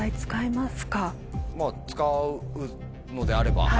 まぁ使うのであれば。